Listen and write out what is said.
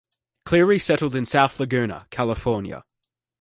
Cleary settled in South Laguna, California.